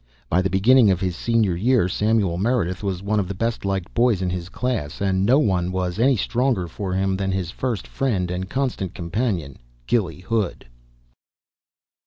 By the beginning of his senior year Samuel Meredith was one of the best liked boys of his class and no one was any stronger for him than his first friend and constant companion, Gilly Hood.